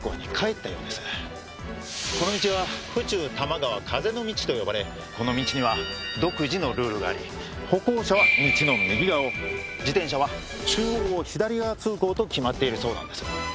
この道は「府中多摩川かぜのみち」と呼ばれこの道には独自のルールがあり歩行者は道の右側を自転車は中央を左側通行と決まっているそうなんです。